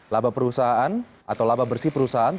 laba perusahaan atau perusahaan yang menutup gerai giant